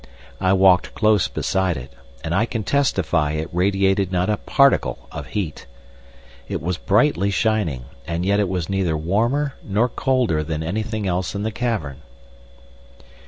I walked close beside it, and I can testify it radiated not a particle of heat. It was brightly shining, and yet it was neither warmer nor colder than anything else in the cavern.